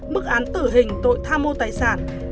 bức án tử hình tội tham mô tài sản